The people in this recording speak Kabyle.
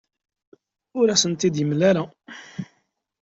Ur asent-tt-id-yemla ara.